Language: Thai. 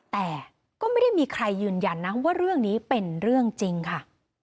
แต่ก็ไม่ได้มีใครยืนยันนะว่าเรื่องนี้เป็นเรื่องจริงค่ะ